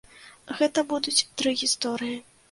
Гэта будуць тры гісторыі.